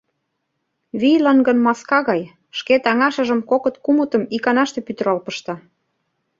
Вийлан гын маска гай: шке таҥашыжым кокыт-кумытым иканаште пӱтырал пышта.